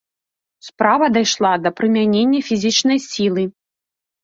Справа дайшла да прымянення фізічнай сілы.